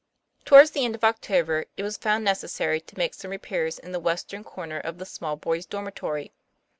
Towards the end of October, it was found neces sary to make some repairs in the western corner of the small boys' dormitory.